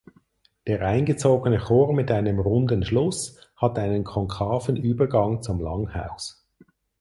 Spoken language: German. Der eingezogene Chor mit einem runden Schluss hat einen konkaven Übergang zum Langhaus.